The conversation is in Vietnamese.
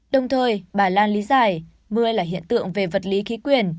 đồng thời bà lan lý giải mưa là hiện tượng về vật lý khí quyền